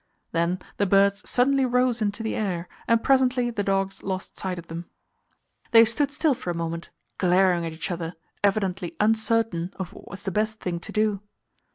Then the birds suddenly rose into the air, and presently the dogs lost sight of them. They stood still for a moment, glaring at each other, evidently uncertain of what was the best thing to do.